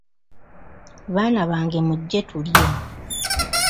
Baana bange mujje tulye.